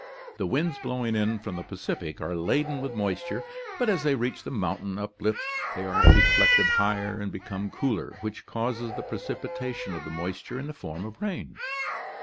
The winds blowing in from the Pacific are laden with moisture, but as they reach the mountain uplift they are deflected higher and become cooler, which causes the precipitation of the moisture in the form of rain.